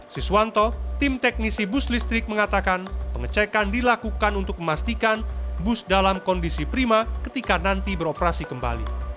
siswanto tim teknisi bus listrik mengatakan pengecekan dilakukan untuk memastikan bus dalam kondisi prima ketika nanti beroperasi kembali